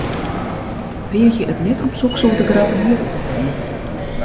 Weagje it net om soksoarte grappen hjir út te heljen!